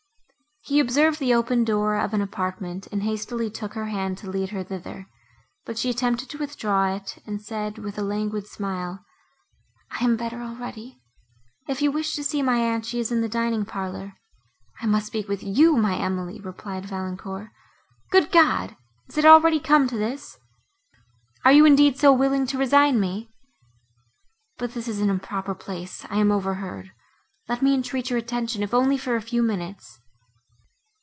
He observed the open door of an apartment, and hastily took her hand to lead her thither; but she attempted to withdraw it, and said, with a languid smile, "I am better already; if you wish to see my aunt she is in the dining parlour." "I must speak with you, my Emily," replied Valancourt, "Good God! is it already come to this? Are you indeed so willing to resign me? But this is an improper place—I am overheard. Let me entreat your attention, if only for a few minutes."